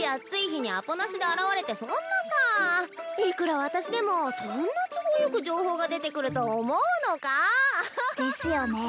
日にアポなしで現れてそんなさいくら私でもそんな都合よく情報が出てくると思うのかアハハハですよね